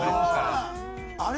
あれ？